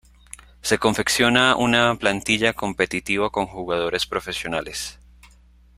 Se confecciona una plantilla competitiva con jugadores profesionales.